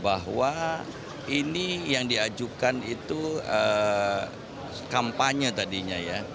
bahwa ini yang diajukan itu kampanye tadinya ya